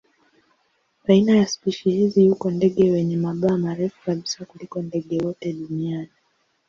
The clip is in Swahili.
Baina ya spishi hizi yuko ndege wenye mabawa marefu kabisa kuliko ndege wote duniani.